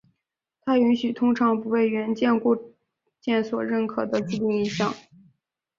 它允许通常不被原厂固件所认可的自定义项。